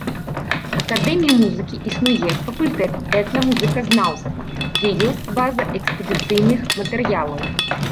Акадэміі музыкі існуе факультэт этнамузыказнаўства, дзе ёсць база экспедыцыйных матэрыялаў.